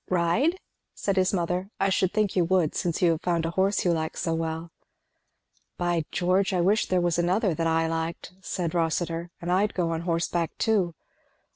ride?" said his mother "I should think you would, since you have found a horse you like so well." "By George! I wish there was another that I liked," said Rossitur, "and I'd go on horseback too.